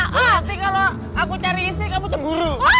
berarti kalau aku cari istri kamu cemburu